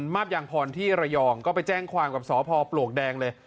มาบยางพรที่ระยองก็ไปแจ้งความกับสพปลวกแดงเลย